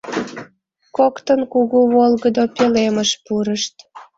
Коктын кугу волгыдо пӧлемыш пурышт.